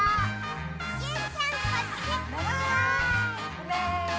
うめ？